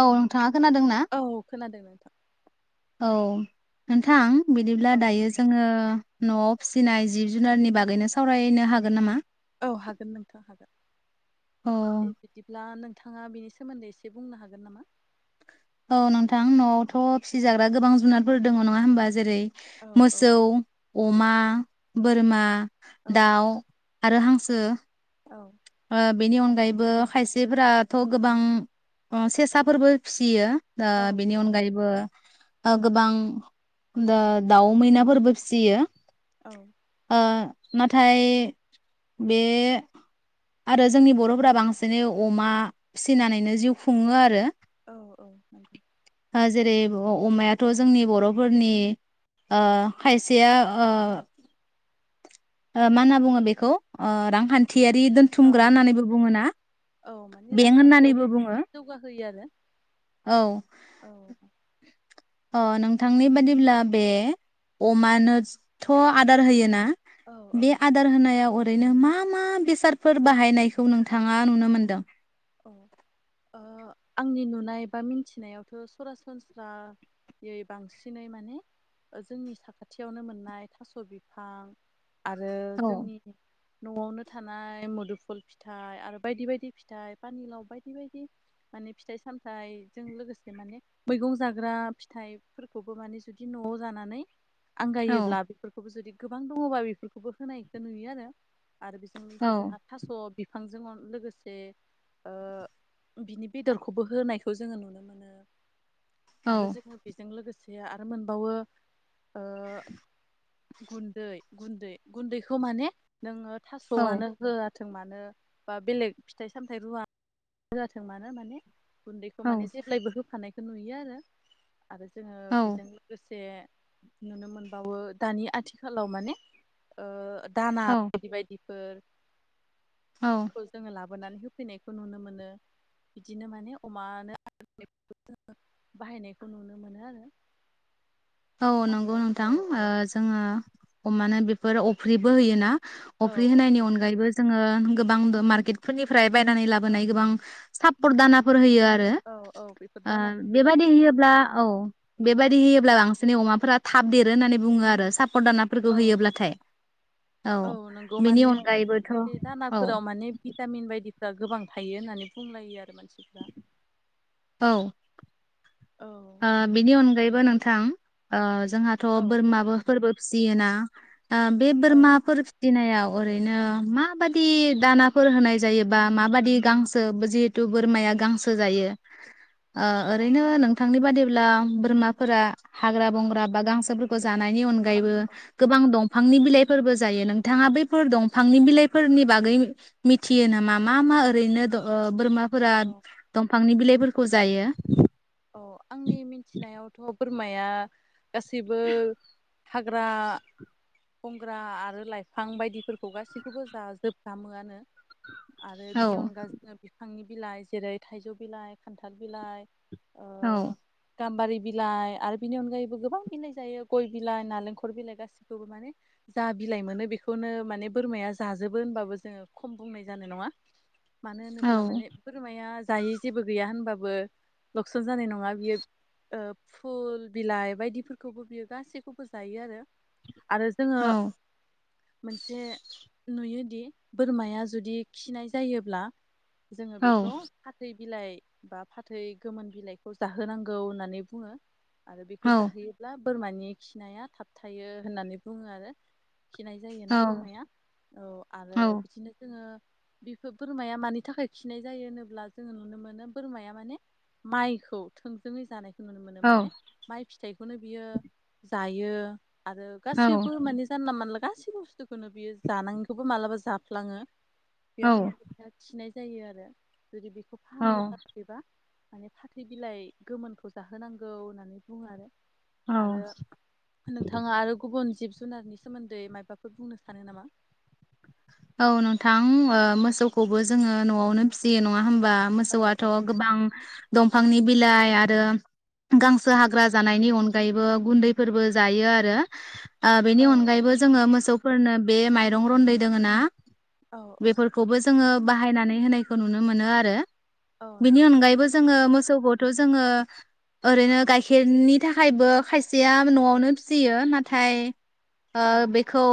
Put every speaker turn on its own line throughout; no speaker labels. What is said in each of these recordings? औ नोंथां खोनादोंना
औ खोनादों नोंथां
औ नोंथां बिदिब्ला
औ
दायो जोंङो न'आव फिसिनाय जिब जुनारनि बागैनो सावरायनो हागोन नामा?
औ हागोन नोंथां हागोन
औ
दे बिदिब्ला नों नोंथांङा बिनि सोमोन्दै एसे बुंनो हागोन नामा?
औ नोंथां न'आवथ' फिसिजाग्रा गोबां जुनारफोर दङ नङा होमबा जेरै
औ औ
मोसौ अमा बोरमा
औ
दाउ आरो हांसो
औ
ओ बेनि अनगायैबो खायसेफोराथ' गोबां ओ सेसाफोरबो फिसियो दा
औ
बेनि अनगायैबो गोबां दा दाउ मैनाफोरबो फिसियो
औ
ओ नाथाय बे आरो जोंनि बर'फोरा बांसिनै अमा फिसिनानैनो जिउ खुङो आरो
औ औ नंगौ
ओ जेरै अमायाथ' जोंनि बर'फोरनि ओ खायसेया ओ मा होनना बुङो बेखौ ओ रांखान्थियारि
औ
दोनथुमग्रा होननानैबो बुङोना
औ औ माने
बेंक होननानैबो
रांखान्थियावबो
बुङो
माने जौगाहोयो आरो
औ
औ
अ नोंथांनि बादिब्ला बे अमानोथ' आदार होयो ना
औ औ
बे आदार होनाया ओरैनो मा मा बेसादफोर बाहायनायखौ नोंथाङा नुनो मोनदों
औ ओ आंनि नुनाय बा मिथिनायावथ' सरासनस्रायै बांसिनै माने जोंनि साखाथियावनो मोननाय थास' बिफां आरो
औ
जोंनि न'आवनो थानाय मुदुफुल फिथाइ आरो बायदि बायदि फिथाइ पानिलाव बायदि बायदि माने फिथाइ सामथाइजों लोगोसे माने मैगं जाग्रा फिथाइफोरखौबो माने जुदि न'आव जानानै
औ
आंगायोब्ला बेफोरखौबो जुदि गोबां दङबा बेफोरखौबो होनायखौ नुयो आरो आरो बेजों
औ
लोगोसे जोंहा थास' बि फांजों लोगोसे ओ बिनि बेदरखौबो होनायखौ जोङो नुनो मोनो
औ
आरो जोङो बेजों लोगोसे से आरो मोनबावो ओ गुन्दै गुन्दै गुन्दैखौ माने नोङो थास'आनो हो याथों मानो बा बेलेग फिथाइ सामथाइ रुवा जाथों मानो माने गुन्दैखौ माने जेब्लायबो होफानाय नुयो आरो आरो जोङो
औ
बेजों लोगोसे नुनो मोनबावो दानि आथिखालाव माने दाना
औ
बायदि बायदि फोर
औ
खौ जोङो लाबो माबोनानै होफैनायखौ नुनो मोनो बिदिनो माने अमानो बाहायनायखौ नुनो मोनो आरो
औ नंगौ
आरो औ
नोंथां
औ
जोङो अमानो बे फोर अफ्रिबो होयोना अफ्रि होनायनि अनगायैबो जोङो गोबां द मार्केटफोरनिफ्राय बायनानै
औ
लाबोनाय गोबां सापर्ट दानाफोर होयो आरो।
औ औ बेफोर
ओ
दानाफोरखौ
बेबायदि
बाहायनाय
होयोब्ला औ बेबायदि होयोब्ला [unintelligible] बिसिनि अमाफोरा थाब देरो होननानै बुङो आरो साफ फरदानाफोरखौ
औ औ
होयोब्लाथाय औ
नंगौ
बिनि
माने
अनगायैबोथ'
बे
औ।
या गोबां थायो होननानै बुंलायो आरो माने मानसिफ्रा। औ
आ बिनि अनगायै बो नोंथां जोंहाथ'
औ
बोरमाबोफोरबो फिसियोना आ बे
औ
बोरमाफोर फिटिनायाव ओरैनो माबादि दानाफोर होनाय जायोबा माबादि गांसो जिहेथु बोरमाया गांसो जायो ओ
औ
ओरैनो नों थांनि बादिब्ला बोरमाफोरा हाग्रा बंग्रा बा गांसोफोरखौ जानायनि
औ
अनगायैबो
औ
गोबां दं फांनि बिलाइफोरबो जायो। नोंथाङा बैफोर दंफांनि बिलाइफोरनि बागै मिथियो नामा मा मा ओरैनो द ओ बोरमाफोरा
औ
दंफांनि बिलाइ फोरखौ जायो?
औ आंनि मिथिनायावथ' बोरमाया गासिबो हाग्रा बंग्रा आरो लाइफां बायदिफोरखौ गासैखौबो जाजोबफ्रामोआनो। आरो
औ
बिनि अनगा जोङो बिफांनि बिलाइ जेरै थाइजौ बिलाइ, खान्थाल बिलाइ ओ
औ।
गाम्बारि बिलाइ आरो बिनि अनगायैबो गोबां बिलाइ जायो गय बिलाइ, नालेंखर बिलाइ गासिखौबो माने जा बिलाइ मोनो बेखौनो माने बोरमाया जाजोबो होनबाबो जोङो खम बुंनाय जानाय नङा। मानो होनोब्ला
औ
माने बोरमाया जायै जेबो गैया होनबाबो लक्सान जानाय नङा बियो फुल बिलाइ बायदिफोरखौबो बियो गासैखौबो जायो आरो। आरो
औ
जोङो मोनसे नुयोदि बोरमाया जुदि खिनाय जायोब्ला जोङो बेखौ फाथै बिलाइ बा फाथै गोमोन बिलाइखौ जाहोनांगौ होननानै बुङो। आरो
औ
बेखौ जाहोयोब्ला बोरमानि खिनाया थाब थायो होननानै बुङो आरो। खिनाय जायोना बोरमाया औ आरो
औ
बिदिनो जोङो बेफोर बोरमाया मानि थाखाय खिनाय जायो होनोब्ला जोङो नुनो मोनो बोरमाया माने माइखौ थोंजोङै जानायखौ नुनो मोनो
औ
माने माइ फिथाइखौनो बियो जायो। आरो गासिबो मोने जानला मोनला गा गासै बुस्थुखौनो बियो जानाङिखौबो मालाबा जाफ्लाङो।
औ
बेयावनो माने ओ खिनाय जायो आरो। जुदि बेखौ फाहामनो थाखैबा माने फाथै बिलाइ गोमोनखौ जाहोनांगौ होननानै बुङो आरो। आरो नोंथाङा आरो गुबुन जिब जु जुनारनि सोमोन्दै मायबाफोर बुंनो सानो नामा?
औ नोंथां ओ मोसौखौबो जोङो न'आवनो फिसियो नङा होम बा
औ
मोसौआथ'
औ
गोबां दंफांनि बिलाइ आरो गांसो हाग्रा जानायनि अनगायैबो गुन्दैफोरबो जायो आरो। आं
औ
बेनि
औ
अनगायैबो जोङो मोसौ फोरनो बे माइरं रन्दै दोङो ना
औ औ
बेफोरखौबो जोङो बाहायनानै होनायखौ नुनो मोनो आरो।
औ
बिनि
नंगौ
अनगायैबो जोङो मोस सौखौथ' जोङो ओरैनो गाइखेरनि थाखायबो खायसेया न'आवनो फिसियो नाथाय ओ
औ
बेखौ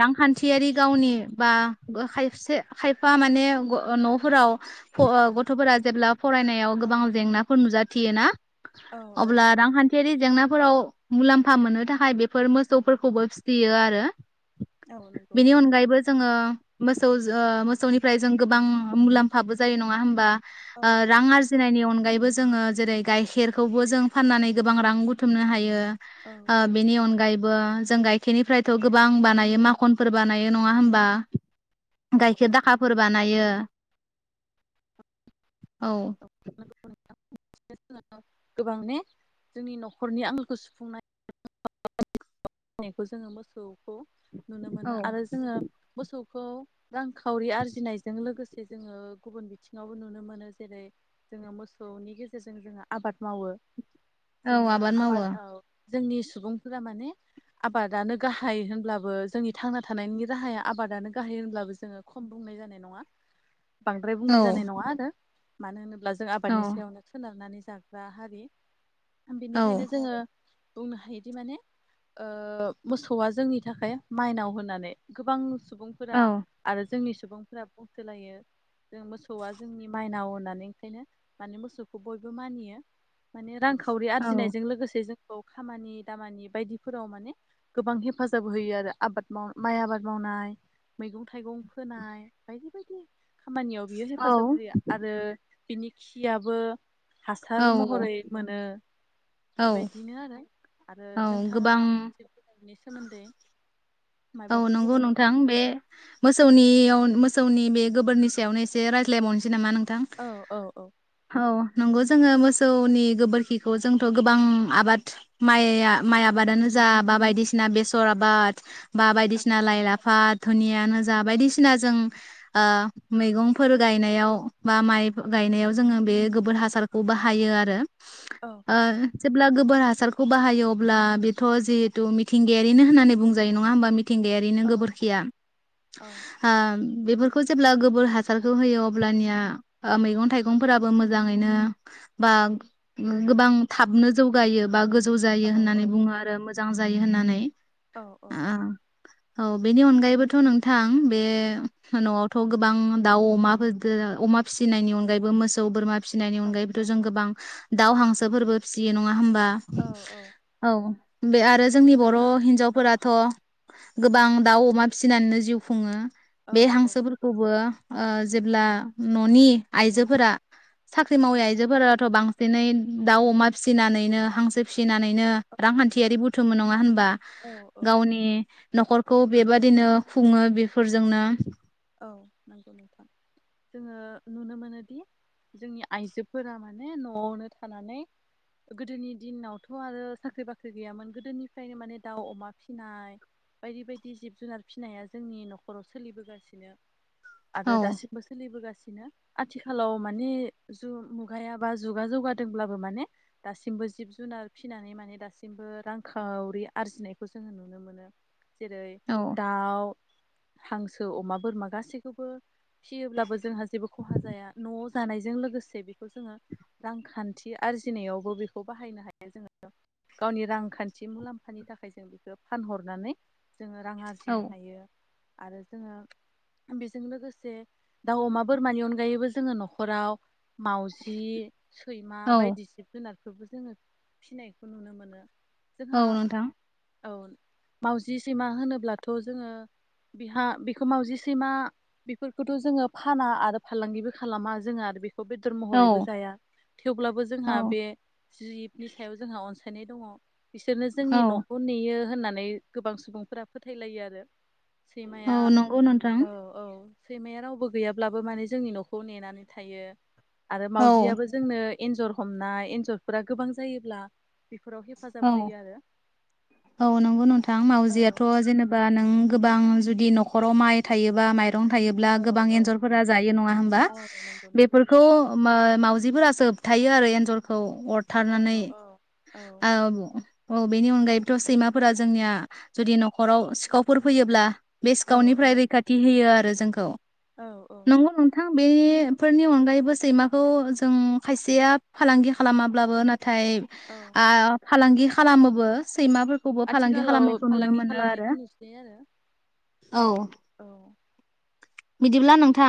रांखान्थियारि गावनि बा गो खायसे खायफा माने ग न'फोराव फ गथ'फोरा जेब्ला फरायनायाव
औ
गोबां जेंनाफोर नुजा थियो ना
औ
अब्ला रांखान्थि थियारि जेंनाफोराव मुलाम्फा मोननो थाखाय बेफोर मोसौफोरखौबो फिसियो आरो।
औ नंगौ।
बेनि अनगायैबो जोङो मोसौ जो ओ मोसौनिफ्राय जों गोबां मुलाम्फाबो जायो नङा होमबा?
औ
ओ
औ
रां आरजिनायनि अन दायोबो जोङो जेरै गाइखेरखौबो जों फाननानै गोबां रां बुथुमनो हायो।
औ
ओ
औ
बेनि अनगायैब बो जों गाइखेरनिफ्रायथ' गोबां बानायो माख'नफोर बानायो नङा होम बा गायखेर दाखाफोर बानायो औ।
[inaudible] गोबां ने जोंनि न'खरनि आमोलखौ सुफुंनाय नेखौ जोङो मोसौ खौ नुनो मोनो आरो
औ
जोङो मोसौ खौ रांखावरि आरजिनायजों लोगो से जोङो गुबुन बिथिङावबो नुनो मोनो जेरै जोङो मोसौनि गेजेरजों जोङो आबाद मावो। जोङो आबाद औ। जोंनि सुबुंफोरा माने आबादानो गाहाय होनब्लाबो जोंनि थांना थानायनि राहाया आबादानो गाहाय होनब्लाबो जोङो खम बुंनाय जानाय नङा। बांद्राय
औ
बुंनाय जानाय नङा आरो। मानो होनोब अब्ला जों
औ
आबादनि सायावनो सोनारनानै जाग्रा हारि। होम
औ
बेनिखायनो जोङो बुंनो हायोदि माने ओ मोसौआ जोंनि थाखाय माइनाव होनानै गोबां सुबुंफोरा
औ
आरो जोंनि सुबुंफोरा बुंसोलायो जों मोसौआ जोंनि माइनाव होननानै ओंखायनो माने मोसौखौ बयबो मानियो माने रांखाव खावरि
औ
आरजिनायजों लोगोसे जों औ खामानि दामानि बायदि फोराव माने गोबां हेफाजाब होयो आरो आबाद माव माइ आबाद मावनाय मैगं थाइगं फोनाय बायदि बायदि खामानियाव बियो हेफाजाब होयो आरो बिनि खियाबो
औ
हासार महरै मोनो।
औ
बेबायदिनो आरो। आरो
औ
नों थांआ
गोबां
[unintelligible] बिनि सोमोन्दै।
औ
मायबाफोर
नंगौ
बुंबावनो
नोंथां
सानदों
बे
नामा?
मोसौनियाव मोस सौनि बे गोबोरनि सायावनो एसे रायज्लायबावनोसै नामा नों थां
औ औ औ
[inaudible] औ नंगौ जोङो मोसौनि गोबोरखिखौ जोंथ' गोबां आबाद माइआ माइ आबादानो जा बा बायदिसिना बेसर आबाद बा
औ
बायदिसिना लाइ लाफाद धुनियानो जा बायदिसिना जों आ मैगंफोर गायनायाव बा माइ गायनायाव जोङो बे गोबोर हासारखौ बाहायो आरो
औ
आ जेब्ला गोबोर हासारखौ बाहायो अब्ला बेथ' जिहेथु मिथिंगायारिनो होननानै बुंजायो नङा होमबा मि थिंगायारिनो
औ
गोबोरखिया
औ
आ बेफोरखौ जेब्ला गोबोर हासारखौ होयो अब्लानिया आ मैगं थाइगंफोराबो मोजाङैनो बा गोबां थाबनो जौगायो बा गो जौ
औ
जायो होननानै बुङो आरो मो जां जायो होननानै
औ
[unintelligible] औ बेनि अनगायैबोथ' नोंथां बे न' थ' गोबां दाउ अमाफोरदो अमा फिसिनायनि अनगायैबो मोसौ बोरमा फिसिनायनि अनगायैबोथ' जों गोबां दाउ हांसोफोरबो फिसियो न' ङा होमबा
औ औ
औ बे आरो
औ
जोंनि बर'
जोंहा औ
हिनजावफोरा अ गोबां दाउ अमा फिसिनानैनो जिउ खुङो
औ
बे
औ
हांसो फोरखौबो ओ जेब्ला न'नि आइजोफोरा साख्रि मावै
औ
आइजोफोराथ' बां फिनै दाउ अमा फिसिनानैनो हांसो फिसि नानैनो रांखान्थियारि बुथुमबो नङा होनबा?
औ औ
गावनि न'खरखौ बेबादिनो खुङो बेफोरजोंनो
औ नंगौ नोंथां जोङो नुनो मोनोदि जोंनि आइजोफोरा माने न'आवनो थानानै गोदोनि दिनावथ' आरो साख्रि बाख्रि गैयामोन गोदोनिफ्रायनो माने दाउ अमा फिसिनाय बायदि बायदि जिब जुनार फिसिनाया जोंनि न'खराव सोलिबोगासिनो [inaudible] आरो
औ
दासिमबो सोलिबोगासिनो दिनो आथिखालाव माने जु मुगाया बा जुगा जौगादोंब्लाबो माने दासिमबो जिब जुनार फिसिनानै माने दासिमबो रांखावरि आरजिनायखौ जोङो नुनो मोनो जेरै
औ
दाउ हांसो अमा बोरमा गासैखौबो फियोब्लाबो जोंहा जेबो खहा जाया न'आव जानायजों लोगोसे बेखौ जोङो रांखान्थि आरजिनायावबो बेखौ बाहायनो हायो जोङो गावनि रांखान्थि मुलाम्फानि थाखाय जों बेखौ फानहरनानै जोङो रां
औ
आरजिनो हायो आरो जोङो बेजों लोगोसे दाउ अमा बोरमानि अनगायैबो जोङो न'खराव मावजि सैमा
औ
बायदि जिब जुनार बेखौबो जोङो फिनायखौ नुनो मोनो। जोंहा
औ नोंथां
औ मावजि सैमा होनोब्लाथ' जोङो बेहा बेखौ मावजि सैमा बेफोरखौथ' जोङो फाना आरो फालांगिबो खालामा जोङो आरो बे खौ बेदर
औ
महरैबो जाया थेवब्लाबो जोंहा
औ
बे जिबनि सायाव जोंहा अनस यनाय दङ बिसोरनो जोंनि
औ
न'खौ नेयो होनना नै गोबां सुबुंफोरा फोथायलायो आरो। सैमाया
औ नंगौ नोंथां
औ औ सैमाया रावबो गैयाब्लाबो माने जोंनि न'खौ नेनानै थायो। आरो
औ
मावजियाबो जोंनो एन्जर हमनाय एन्जरफोरा गोबां जायोब्ला बेफोराव
औ
हेफाजाब होयो
[inaudible] औ नंगौ नोंथां
आरो
मावउजियाथ' जेनेबा नों गोब बां जुदि न'खराव माइ थायोबा माइ रं थायोब्ला
औ
गोबां
औ
एनजरफोरा जायो नङा होमबा?
औ नंगौ
बेफोरखौ मो मावउजिफोरासो होबथायो आरो एन्जरखौ।
औ
अरथारनानै
औ औ
आव औ बेनि अनगायैबोथ' सैमाफोरा जोंनिया जुदि न'खराव सिखावफोर फैयोब्ला बे
औ
सिखाव निफ्राय रैखाथि होयो आरो जोंखौ
औ औ
नंगौ नोंथां बेफोरनि अनगायैबो सैमाखौ जों खायसेया फालांगि खालामाब्लाबो ना थाइ
औ
फालांगि खालामोबो सैमाफोरखौबो फालांगि
आथिखालाव
खालामनायखौ नुनो
फालांगि
मोनो आरो
खालामनायखौ नुसै आरो
[inaudible] औ बिदिब्ला नोंथां।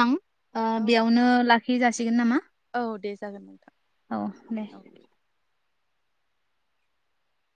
ओ
औ
बेयावनो ला खि जासिगोन नामा?
औ दे जागोन नोंथां
औ दे।
[inaudible] औ।